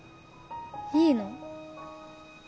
いいの？